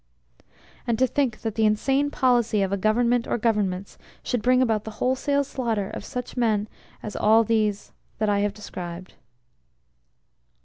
And to think that the insane policy of a Government or Governments should bring about the wholesale slaughter of such mien as all these that I have described.